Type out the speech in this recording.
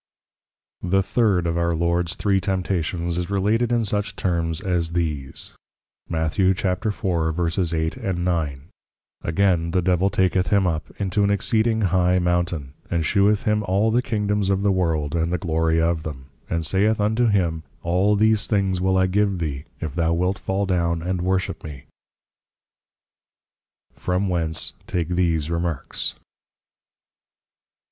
§. The Third of Our Lords Three Temptations, is related in such Terms as these. Matth. 4.8, 9. _Again the Devil taketh him up, into an exceeding High Mountain, and sheweth him all the Kingdoms of the world, and the glory of them: and saith unto him, all these things will I give thee, if thou wilt fall down and Worship me._ From whence take these Remarks.